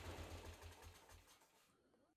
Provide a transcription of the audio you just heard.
La línea Jamaica incluye una variedad de estructuras.